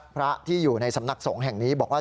พระที่อยู่ในสำนักสงฆ์แห่งนี้บอกว่า